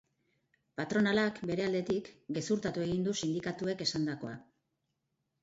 Patronalak, bere aldetik, gezurtatu egin du sindikatuek esandakoa.